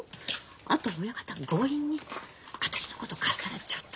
あとは親方が強引に私のことかっさらっちゃっただけ。